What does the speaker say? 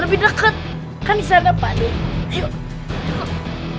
lebih dekat kan bisa depan yuk